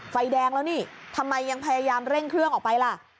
ไฟแดงแล้วนี่ทำไมยังพยายามเร่งเครื่องออกไปล่ะ